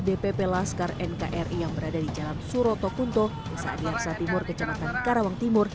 dpp laskar nkri yang berada di jalan suroto kunto desa adiaksa timur kecamatan karawang timur